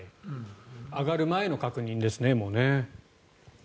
上がる前の確認ですね。